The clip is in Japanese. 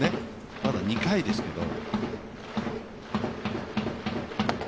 まだ２回ですけれども。